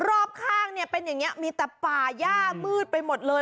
รอบข้างเนี่ยเป็นอย่างนี้มีแต่ป่าย่ามืดไปหมดเลย